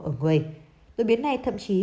ở người đột biến này thậm chí